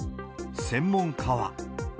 専門家は。